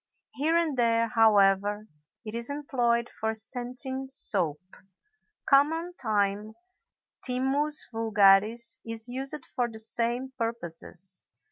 Here and there, however, it is employed for scenting soap. Common thyme, Thymus vulgaris, is used for the same purposes.